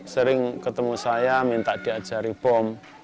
sering ketemu saya minta diajari bom